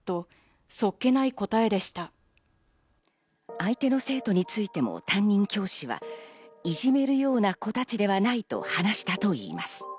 相手の生徒についても担任教師は、いじめるような子たちではないと話したといいます。